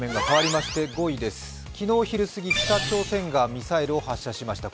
昨日昼過ぎ、北朝鮮がミサイルを発射しました。